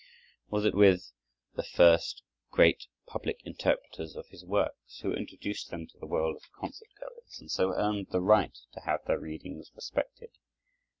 Was it with the first great public interpreters of his works, who introduced them to the world of concert goers and so earned the right to have their readings respected?